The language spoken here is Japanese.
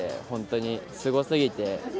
本当にすごすぎて。